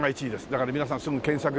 だから皆さんすぐ検索でね